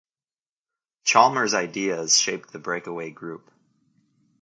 Chalmers' ideas shaped the breakaway group.